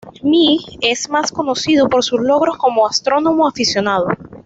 Mee es más conocido por sus logros como astrónomo aficionado.